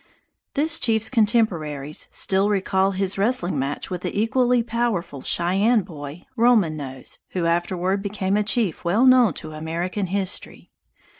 This chief's contemporaries still recall his wrestling match with the equally powerful Cheyenne boy, Roman Nose, who afterward became a chief well known to American history.